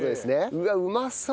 うわっうまそう！